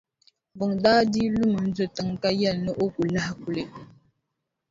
Buŋa daa dii lumi n-do tiŋa ka yɛli ni o ku lahi kuli.